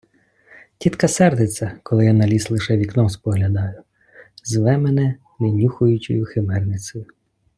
Тітка сердиться, коли я на ліс лише вікном споглядаю; зве мене "лінюхуючою химерницею".